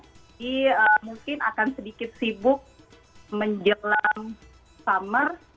jadi mungkin akan sedikit sibuk menjelang summer